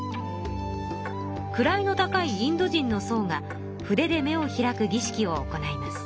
位の高いインド人のそうが筆で目を開くぎ式を行います。